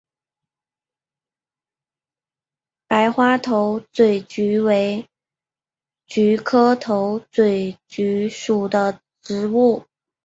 白花头嘴菊为菊科头嘴菊属的植物。